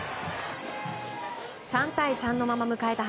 ３対３のまま迎えた